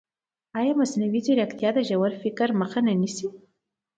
ایا مصنوعي ځیرکتیا د ژور فکر مخه نه نیسي؟